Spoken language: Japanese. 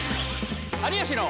「有吉の」。